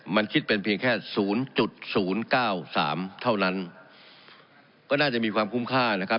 มันคิดเป็นเพียงแค่๐๐๙๓เท่านั้นก็น่าจะมีความคุ้มค่านะครับ